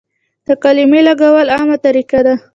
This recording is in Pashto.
د قلمې لګول عامه طریقه ده.